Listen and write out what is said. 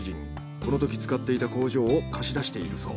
このとき使っていた工場を貸し出しているそう。